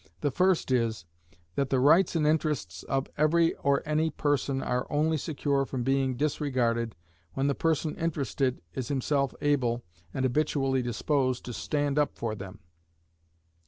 The first is, that the rights and interests of every or any person are only secure from being disregarded when the person interested is himself able, and habitually disposed to stand up for them.